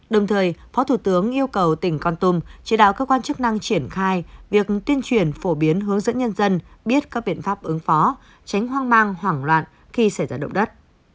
đồng thời phó thủ tướng yêu cầu tỉnh con tum chỉ đạo cơ quan chức năng triển khai việc tuyên truyền phổ biến hướng dẫn nhân dân biết các biện pháp ứng phó tránh hoang mang hoảng loạn khi xảy ra động đất